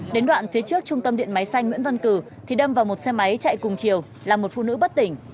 đến đoạn phía trước trung tâm điện máy xanh nguyễn văn cử thì đâm vào một xe máy chạy cùng chiều là một phụ nữ bất tỉnh